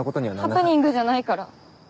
ハプニングじゃないから。